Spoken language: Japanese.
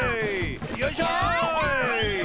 よいしょ！